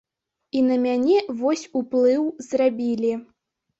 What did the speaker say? І на мяне вось уплыў зрабілі.